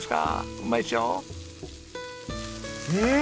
うまいでしょ。